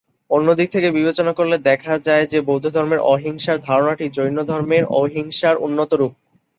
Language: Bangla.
অন্যদিক থেকে বিবেচনা করলে দেখা যায় যে, বৌদ্ধধর্মের অহিংসার ধারণাটি জৈনধর্মের অহিংসার উন্নতরূপ।